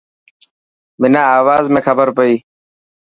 منان آواز ۾ کبر پئي.